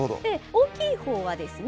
大きい方はですね